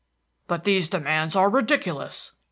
"But these demands are ridiculous."